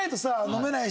飲めない。